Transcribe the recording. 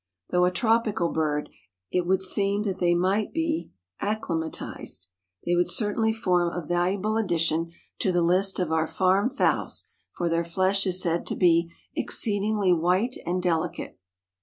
Though a tropical bird, it would seem that they might be acclimatized. They would certainly form a valuable addition to the list of our farm fowls, for their flesh is said to be "exceedingly white and delicate."